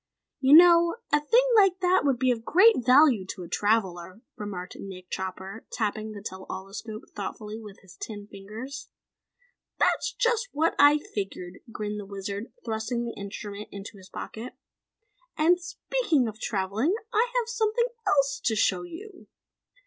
"You know, a thing like that would be of great value to a traveller," remarked Nick Chopper, tapping the tell all escope thoughtfully with his tin fingers. "That's just what I figured," grinned the Wizard, thrusting the instrument into his pocket. "And, speaking of travelling, I have something else to show you!"